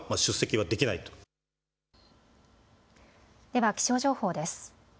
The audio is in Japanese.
では気象情報です。